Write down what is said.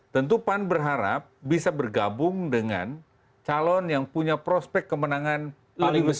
tentu pan berharap bisa bergabung dengan calon yang punya prospek kemenangan paling besar